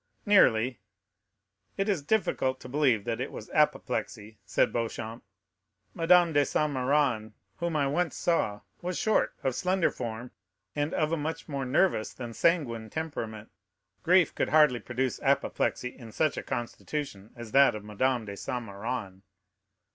"Nearly." "It is difficult to believe that it was apoplexy," said Beauchamp. "Madame de Saint Méran, whom I once saw, was short, of slender form, and of a much more nervous than sanguine temperament; grief could hardly produce apoplexy in such a constitution as that of Madame de Saint Méran."